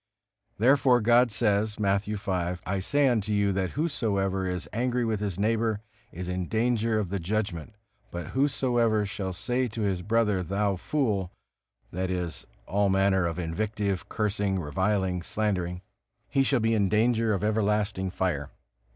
Therefore God says, Matthew v, "I say unto you, that whosoever is angry with his neighbor, is in danger of the judgment; but whosoever shall say to his brother, Thou fool (that is, all manner of invective, cursing, reviling, slandering), he shall be in danger of everlasting fire."